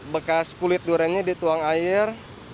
bekas kulit duriannya dituang air